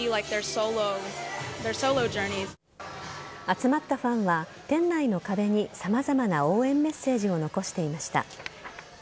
集まったファンは店内の壁に様々な応援メッセージを残していました。